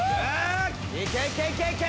いけいけいけいけ！